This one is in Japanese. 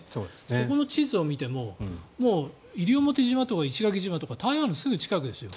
そこの地図を見てももう西表島とか石垣島とか台湾のすぐ近くですよ。